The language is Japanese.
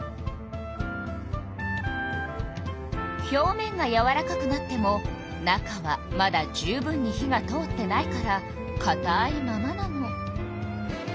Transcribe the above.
表面がやわらかくなっても中はまだ十分に火が通ってないからかたいままなの。